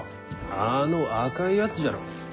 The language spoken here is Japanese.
あの赤いやつじゃろ。